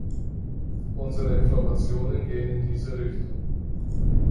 Unsere Informationen gehen in diese Richtung.